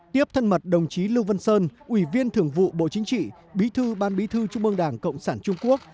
tiếp thân mật đồng chí lưu văn sơn ủy viên thường vụ bộ chính trị bí thư ban bí thư trung ương đảng cộng sản trung quốc